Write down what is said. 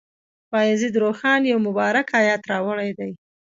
بایزید روښان یو مبارک آیت راوړی دی.